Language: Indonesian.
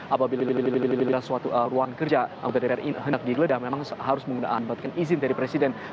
apabila suatu ruang kerja anggota dpr ini hendak digeledah memang harus menggunakan izin dari presiden